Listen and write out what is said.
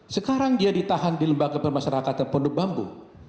sekarang dia ditahan di lembaga pemasarakatan pondok bambu